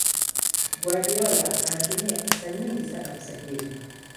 Guardiola anatumia pesa nyingi sana kusajiri